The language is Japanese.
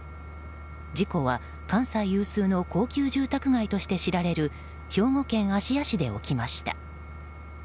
事故は関西有数の高級住宅街として知られる兵庫県芦屋市で起きました。